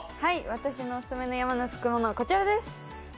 私のオススメの山のつくものはこちらです。